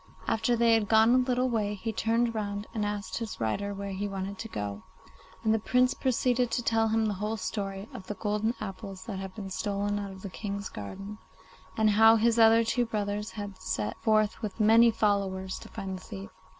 After they had gone a little way he turned round and asked his rider where he wanted to go to, and the Prince proceeded to tell him the whole story of the golden apples that had been stolen out of the King's garden, and how his other two brothers had set forth with many followers to find the thief.